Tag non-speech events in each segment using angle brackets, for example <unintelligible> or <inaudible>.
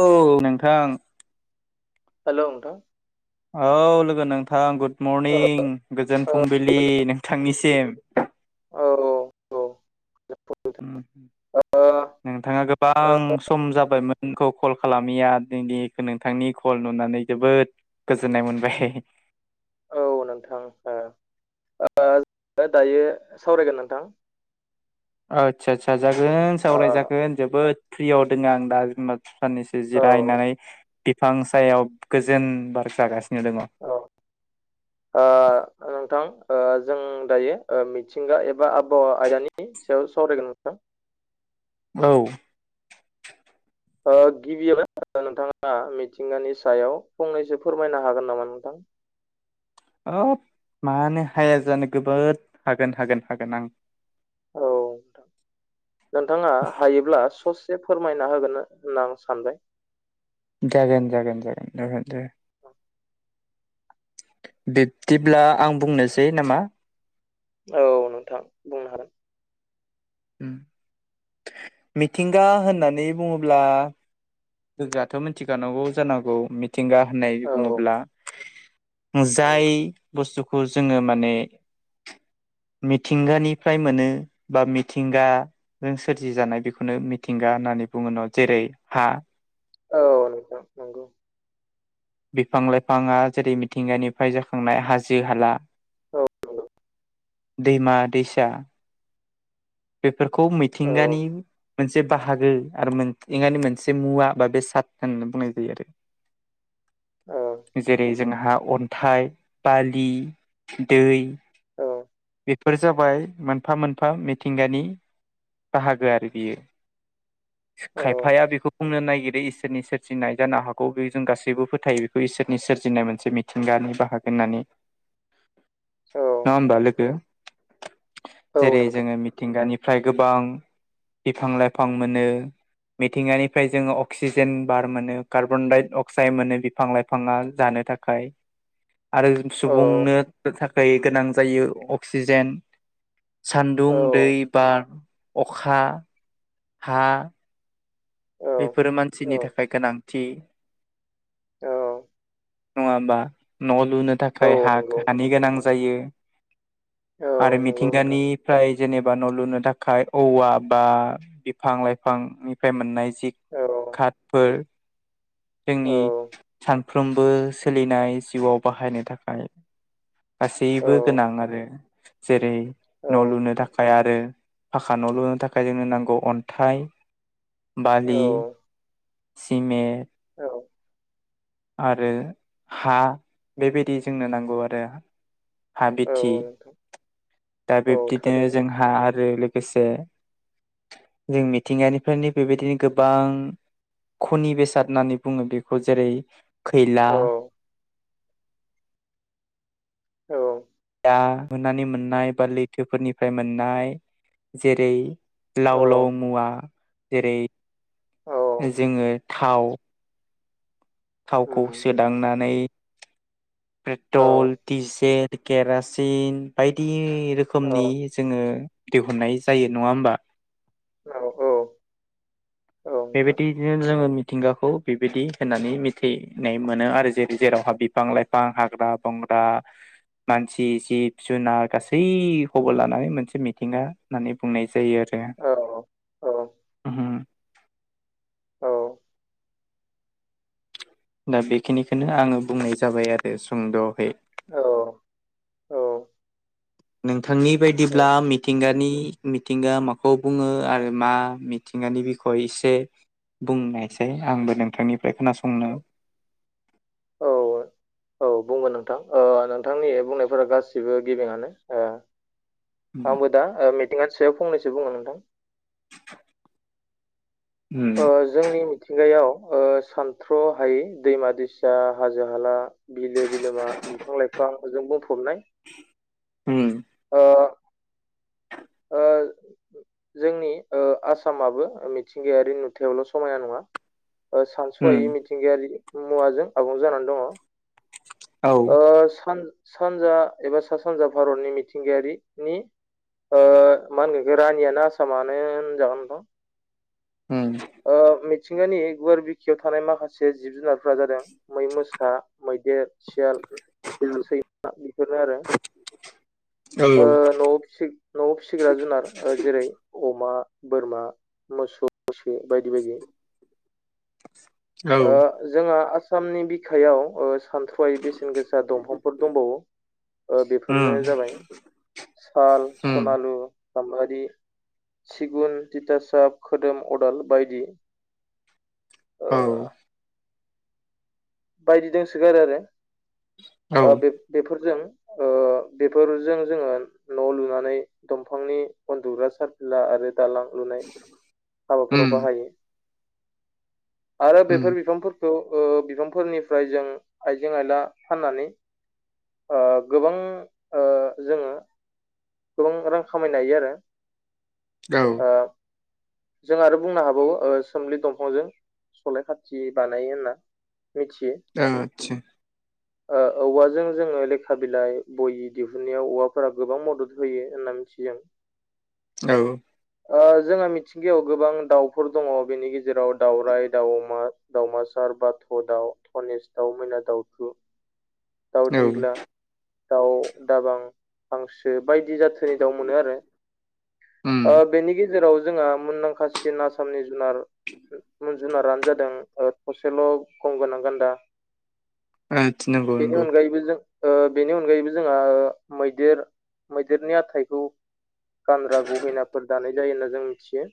औ नोंथां हेल' नोंथां औ लोगो नोंथां गुड ओ मरनिं गोजोन ओ फुंबिलि गोजोन नोंथांनिसिम सिम औ औ औ नोंथाङा गो ओ गोबां सम जाबायमोन नोंखौ कल खालामिया दिनि नोंथांनि कल नुनानै जोबोद गोजोननाय मोनबाय औ नोंथां ओ ओ दायो सावरायगोन नोंथां। ओ आस्सा आदसा जागोन ओ सावरायजागोन जोबोद फ्रियाव दङ आं दा <inaudible> साननैसो औ जिरायनानै बिफां सायाव गोजोन बार जागासिनो दङ औ ओह ओ नोंथां ओ जों दायो मिथिंगा एबा आबहावा आयदानि सायाव सावरायगोन नोंथां <inaudible> औ ओ गिबियावनो नोंथाङा मिथिंगानि सायाव फंनैसो फोरमायनो हागोन नामा नोंथां <inaudible> औ मानो हाया जानो गोबोद हागोन हागोन हागोन आं औ नोंथाङा हायोब्ला स एसे फोरमायना होगोन होनना आं सानबाय जागोन जागोन जागोन दे औ बिब्दिब्ला आं बुंनोसै नामा औ नोंथां बुंनो हागोन। उम मिथिंगा होननानै बुङोब्ला लोगोआथ' मिथिखानांगौ जानांगौ मिथिंगा होननाय औ बुङोब्ला। औ जाय बुस्थुखौ जोङो माने मिथिंगानिफ्राय मोनो बा मिथिंगा जों सोरजि जानाय बेखौनो मिथिंगा होननानै बुङो न जेरै हा औ नोंथां नंगौ बिफां लाइफाङा जेरै मिथिंगानिफ्राय जाखांनाय हाजो हाला औ नंगौ दैमा दैसा बेफोरखौ औ मिथिंगानि मोनसे बाहागो आरो मिथिंगानि मोनसे मुवा बा बेसा सात होननानै बुंनाय जायो आरो <inaudible> जेरै जोंहा अन्थाइ बालि दै औ बेफोर जाबाय मोनफा-मोनफा मिथ मिथिंगानि बाहागो आरो बियो औ खायफाया बेखौ बुंनो नागिरो ए इसोरनि सोरजिनाय जानो हागौ बे जों गासैबो फोथायो बेखौ इसोरनि सोरजिनाय मोनसे मिथिंगानि बाहागो होननानै। <inaudible> औ ना होमबा लोगो। औ जेरै नोंथां जोङो मिथ बिनिफ्राय गोबां बिफां-लाइफां मोनो। मिथिंगानिफ्राय जोङो अक्सिजेन बार मोनो कार्बनाइ अक्साइड मोनो बिफां लाइफाङा जानो। थाखाय <inaudible> आरो औ सुबुंनो थाखाय गोनां जायो अक्सिजेन सान्दुं, औ दै बार, अखा, हा औ बेफोरो औ मानसिनि थाखाय गोनांथि। औ नङाबा न' लुनो औ थाखाय हा नंगौ हानि गोनां नोंथां जायो। <inaudible> आरो नंगौ नोंथां मिथिंगानिफ्राय जेनेबा न' लुनो थाखाय औवा बा बिफां-लाइफां निफ्राय मोननाय जि औ खाथफोर औ जोंनि सानफ्रोमबो सोलिनाय जिउआव बाहायनो थाखाय औ गासैबो गोनां आरो जेरै न' लुनो नोंथां थाखाय आरो फाखा न' लुनो थाखाय जोंनो नांगौ अन्थाइ औ बालि, सिमेन्ट औ आरो हा बेबायदि जोंनो नांगौ आरो औ हाबिथि नोंथां दा औ बिब्दिनो थारैनो जोंहा आरो लोगोसे जों मिथिंगानिफ्रायनो बेबायदिनो गोबां? खनि बेसाद होननानै बुङो बेखौ जेरै- खैला, औ औ दाहानै मोननाय बा लैथोफोरनिफ्राय मोननाय। जेरै औ लाव लाव मुवा जेरै औ जोङो थाव थावखौ उम सोदांनानै <inaudible> पेट्रल, औ डिजेल, केरासिन बायदि रोखोमनि औ जोङो दिहुननाय जायो नङा होमबा? औ औ नोंथां बेबायदिनो जोङो मिथिंगाखौ बेबायदि होननानै मिथिनाय मोनो आरो जेरै जेरावहा बि बिफां-लाइफां, हाग्रा-बंग्रा मानसि, जिब-जुनार गासै खौबो लानानै मोनसे मिथिंगा होननानै बुंनाय जायो आरो औ औ औऔ। उम दा बेखिनिखौनो आङो बुंनाय जाबाय आरो सुंद'है औऔ। नोंथांनि औ बायदिब्ला मिथिंगानि मिथिंगा माखौ बुङो आरो मा मिथिं गानि बिखय एसे बुंनायसै आंबो नोंथांनिफ्राय खोनासंनो औ। औ बुंगोन नोंथां ओ नोंथांनि बुंनायफोरा गासिबो गेबेङानो ओ उम आंबो दा ओ मिथिंगानि सायाव फंनैसो बुंङनो नोंथां। उम ओ जोंनि मिथिंगायाव ओ सानथ्र' हायै दैमा-दैसा, हाजो-हाला बिलो-बिलोमा, बिफां-लाइफांजो बुंफबनाय उम ओ ओ जोंनि ओ आसामाबो मिथिंगायारि नुथायावल' समायना नङा उम सानस'आायै मिथिंगायारि मुवाजों आबुं जानानै दङ औ ओ सान सानजा एबा सा सानजा भारतनि मिथिंगायारिनि मा होनगोन रानियानो आसामानो होनजानानै दं उम <unintelligible> मिथिंगानि गुवार बिखायाव थानाय माखासे जिब जुनारफोरा जादों मै मोसा मैदेर सियाल सैमा बेफोरो आरो औ न'आव न'आव फिसिग्रा जुनार जेरै अमा बोरमा मोसौ मैसो बायदि बायदि औ जोंहा आसामनि बिखायाव सानथ्र'यै बेसेन गोसा दंफांफोर दंबावो बेफोरनो उम जाबाय साल उम सनालु गाम्बारि सिगुन थिथासाब खोदोम अदाल बायदि ओ औ बायदि दंसोगारो औ आरो बेफोरजों बेफोरजों जोंङो न लुनानै दंफांनि उन्दुग्रा सारफिला आरो दालां लुनाय हाबाफोराव उम बाहायो आरो उम बेफोर बिफांफोरखौ बिफांफोरनिफ्राय जों आइजें आइला फाननानै गोबां जोंङो गोबां रां खामायनो हायो आरो औ ओ जों आरो बुंनो हाबावो सोमलि दंफांजों सलाय खाथि बानायो होनना मिथियो आतसा औवाजों जोंङो लेखा बिलाइ बयि दिहुनन्नायाव औवाफोरा गोबां मदद होयो होनना मिथियो जों <inaudible> औ जोंङो मिथिं गायाव गोबां दाउफोर दङ बेनि गेजेराव दावराइ दामा दावमासार बाथ' दाउ धनेस दाउ मैना दाउथु दाउ औ दिग्ला दाउ दाबां हांसो बायदि जाथोनि दाउ मोनो आरो उम बेनि गेजेराव जोंहा मुंदांखासिन आसामनि जुनार जुनारानो जादों थसेल' गं गोनां गान्दा औ नोंगौ बेनि नोंगौ अनगायैबो जों बेनि अनगायैबो जोंहा मैदेर मैदेरनि हाथाइखौ गानग्रा गहिनाफोर दानाय जायो होन्ना जों मिथियो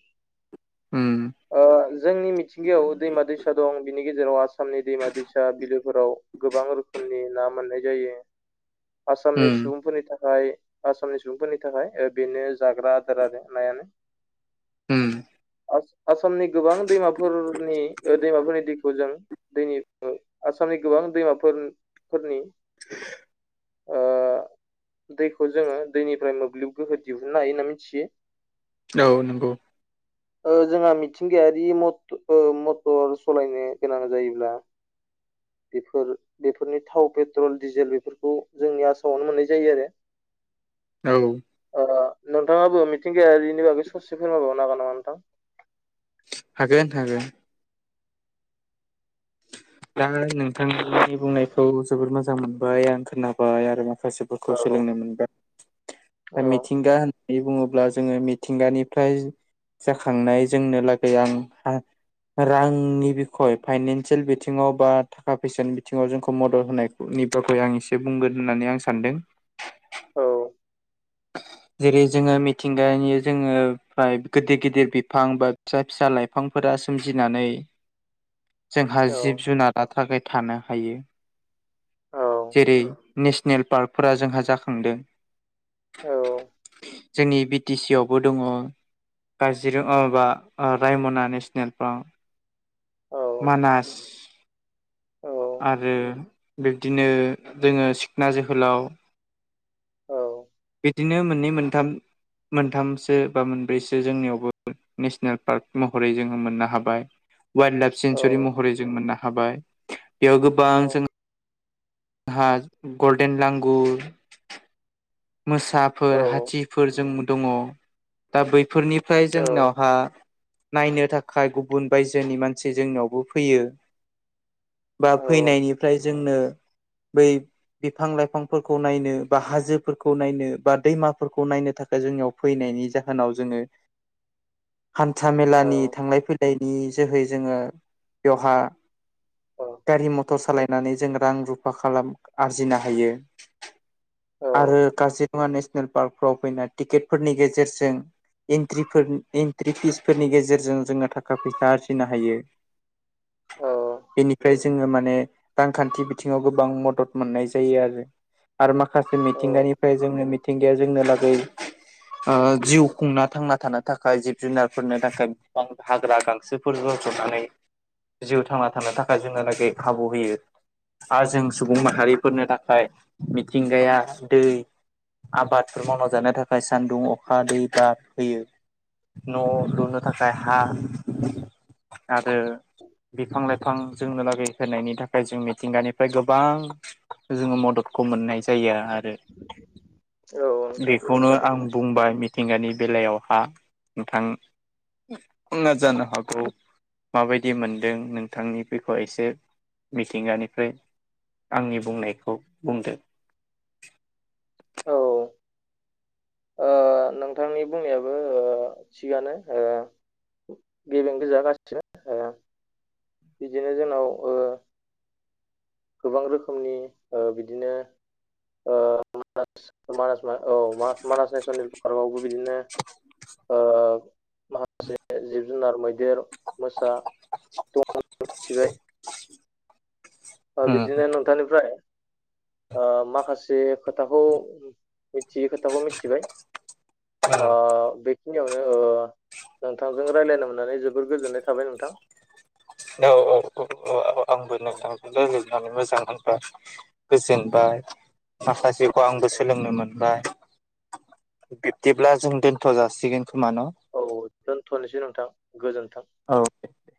उम जोंनि मिथिंगायाव दैमा दैसा दं बिनि गेजेराव आसामनि दैमा दैसा बिलोफोराव गोबां रोखोमनि ना मोननाय जायो आसामनि उम सुबुंफोरनि थाखाय आसामनि सुबुंफोरनि थाखाय बेनो जाग्रा आदार आरो नायानो उम आसामनि गोबां दैमाफोरनि दैमाफोरनि दैखौ जों दैनि आसाम गोबां दैमाफोर फोरनि <inaudible> दैखौ जोंङो दैनिफ्राय मोब्लिब गोहो दिहुननो हायो होन्ना मिथियो औ नंगौ जोंहा मिथिंगायारि मटर सलायनो गोनां जायोब्ला बेफोर बेफोरनि थाव पेट्रल डिजेल बेफोरखौ जोंनि आसामावनो मोननाय जायो आरो <inaudible> औ नोंथांङाबो मिथिंगायारिनि बागै ससे फोरमायबावनो हागोन नामा नोंथां हागोन हागोन दा नोंथांनि बुंनायखौ जोबोद मोजां मोनबाय आं खोनाबाय आरोबाव मासेफोरखौ औ सोलोंनो मोनबाय औ दा मिथिंगा होननानै बुंङोब्ला अब्ला जोङो मिथिंगानिफ्राय जाखांनाय जोंनो लागै आं रांनि बिखय फाइनान्सियेल बि थिङाव बा थाखा फैसानि बिथिंङाव जोंखौ मदद होनायनि बागै नि आं एसे बुंगोन होननानै आं सानदों <inaudible> <inaudible> जेरै जोंङो मिथिंगानि जोंङो फाय गिदिर गिदिर बिफां बा फिसा फिसा लाइफांफोरा दा सोमजिनानै <inaudible> जोंहा जिब-जुनार थाखाय थानो हायो औ जेरै नेसनेल पार्कफोरा जोंहा जाखांदों औ जोंनि बि टि सि आवबो दङ काजिरङाब अ माबा रायमना नेसनेल पार्क मानास औ आरो बिब्दिनो जोङो सिखना जोहोलाव औ बिदिनो मोननै मोनथाम मोनथामसो बा मोनब्रैसो जोंनियावबो नेसनेल पार्क महरै जोङो मोननो हाबाय, वाइल्द लाइफ औ सेेंसुरि महरै जों मोननो हाबाय बेयाव गोबां जो हा गल्डेन लांगुर मोसाफोर हाथिफोर जों दङ दा बै बेफोरनिफ्राय औ जोंनावहा नायनो थाखाय गुबुन बायजोनि मानसि जोंनावबो फैयो बा फैनायनिफ्राय जोंनो बै बिफां लाइफांफोरखौ नायनो बा हाजोफोर खौ नायनो बा दैमाफोरखौ नायनो थाखाय जोंनियाव फैनायनि जाहोनाव जोङो हान्था मेलानि थांलाय फैलायनि जोहै जोङो बेवहा गारि मटर सालाय नानै जों रां रुफा खालाम आरजिनो हायो आरो। काजिरङा नेसनेल पार्कफ्राव फैना टिकेटफोरनि गेजेरजों एन्ट्रिफोर एन्ट्रि फिसफोरनि गेजेरजों जोङो थाखा फैसा आरजिनो हायो। औ बेनिफ्राय जोङो माने रांखान्थि बिथिङाव गोबां मदद मोननाय जायो आरो। आरो माखासे मिथिंगानिफ्राय जोंनो मिथिंगाया जोंनो लागै आं जिउ खुं ना थांना थानो थाखाय जिब जुनारफोरनि थाखाय गोबां हाग्रा गांसोफोर रज'नानै जिउ थांना थानो थाखाय जोंना लागै खाबु होयो। आ जों सुबुं माहारिफोरनि थाखाय मिथिंगाया दै आबादफोर मावना जानो थाखाय सान्दुं अखा दै बार होयो। न' लुनो थाखाय हा आरो बिफां लाइ फां जोंनो लागै होनायनि थाखाय जों मिथिंगानिफ्राय गोबां जोङो मददखौ मोननाय जायो आरो औ नोंथां बेखौनो आं थारैनो बुंबाय मिथिंगानि बेलायावहा नोंथांना जानो हागौ माबायदि मोनदों नोंथांनि बेखौ एसे मिथिंगानिफ्राय आंनि बुंनायखौ बुंदो। औ ओ नोंथांनि बुंनायाबो ओ थिगानो ओ गेबें गोजा गासिबो ओ बिदिनो जोंनाव ओ गोबां रोखोमनि ओ बिदिनो ओ मानास मानास मा औ मानास मानास नेसनेलनि पार्कआवबो बिदिनो ओ माखासे जिब जुनार मैदेर मोसा दं औ मिथिबाय बिदिनो नोंथांनिफ्राय ओ माखासे खोथाखौ मिथियै खोथाखौ मिथिबाय आ बेखिनियावनो ओ नोंथांजों रायज्लायनो मोननानै जोबोर गोजोननाय थाबाय नोंथां औ औ आंबो औ नोंथांजों रालायनानै मोजां मोनबाय गोजोनबाय माखासेखौ आंबो औ सोलोंनो मोनबाय बिब्दिब्ला जों दोनथ' जासिगोन खोमा न' औ दोनथ'नोसै नोंथां गोजोन औे दे